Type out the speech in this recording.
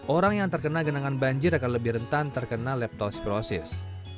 orang yang terkena genangan banjir akan lebih rentan terkena leptospirosis